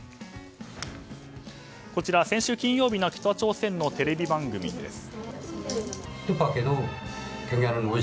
こちら先週金曜日の北朝鮮のテレビ番組です。